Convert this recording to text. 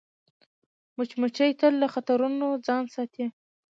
مچمچۍ تل له خطرونو ځان ساتي